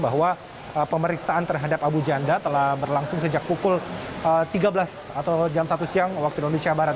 bahwa pemeriksaan terhadap abu janda telah berlangsung sejak pukul tiga belas atau jam satu siang waktu indonesia barat